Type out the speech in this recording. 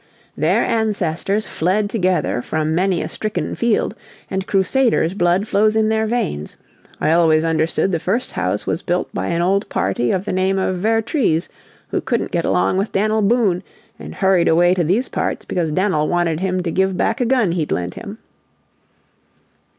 "Their ancestors fled together from many a stricken field, and Crusaders' blood flows in their veins. I always understood the first house was built by an old party of the name of Vertrees who couldn't get along with Dan'l Boone, and hurried away to these parts because Dan'l wanted him to give back a gun he'd lent him."